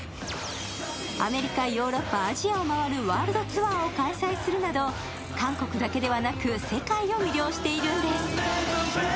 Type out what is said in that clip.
アメリカ、ヨーロッパ、アジアを回るワールドツアーを開催するなど韓国だけではなく世界を魅了しているんです。